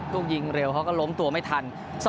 ลูกยิงเร็วเขาก็ล้มตัวไม่ทัน